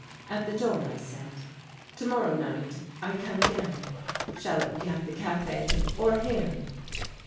At the door I said, "Tomorrow night I come again. Shall it be at the café or here?"